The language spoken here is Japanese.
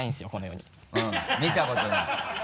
うん見たことない。